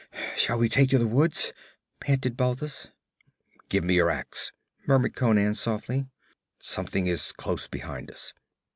'Shall we take to the woods?' panted Balthus. 'Give me your ax,' murmured Conan softly. 'Something is close behind us.'